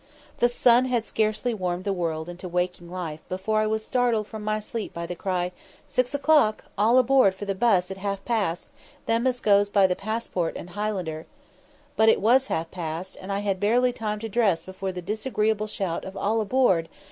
The sun had scarcely warmed the world into waking life before I was startled from my sleep by the cry, "Six o'clock; all aboard for the 'bus at half past, them as goes by the Passport and Highlander:" but it was half past, and I had barely time to dress before the disagreeable shout of "All aboard!"